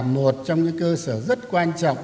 một trong những cơ sở rất quan trọng